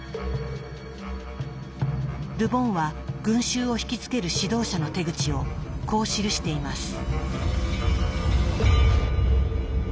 ル・ボンは群衆を惹きつける指導者の手口をこう記しています。